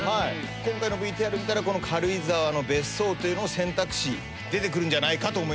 今回のＶＴＲ見たら軽井沢の別荘というのを選択肢出てくるんじゃないかと思いますんで。